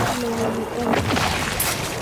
Lenye mioto.